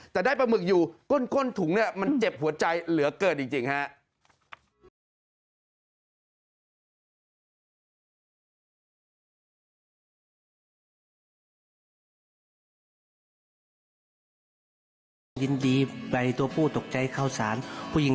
แต่ได้ปลาหมึกอยู่ก้นถุงเนี่ยมันเจ็บหัวใจเหลือเกินจริงฮะ